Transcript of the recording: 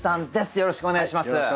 よろしくお願いします。